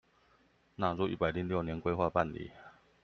納入一百零六年規劃辦理